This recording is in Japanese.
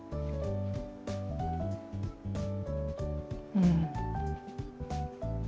うん。